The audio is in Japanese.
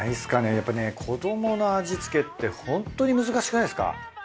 やっぱりね子どもの味付けってホントに難しくないですか？